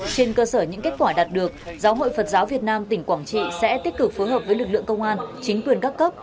trên cơ sở những kết quả đạt được giáo hội phật giáo việt nam tỉnh quảng trị sẽ tích cực phối hợp với lực lượng công an chính quyền các cấp